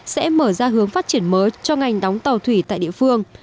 sẽ mở ra hướng phát triển mới cho ngành đóng tàu thủy tại địa phương